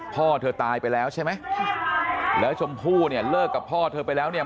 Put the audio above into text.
พ่อเธอตายไปแล้วใช่ไหมแล้วชมพู่เนี่ยเลิกกับพ่อเธอไปแล้วเนี่ย